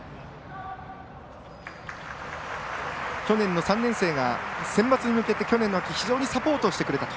去年の３年生がセンバツに向けて去年の秋に非常にサポートをしてくれたと。